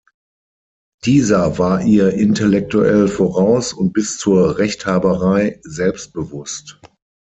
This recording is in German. Dieser war ihr intellektuell voraus, und bis zur Rechthaberei selbstbewusst.